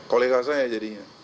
kolega saya jadinya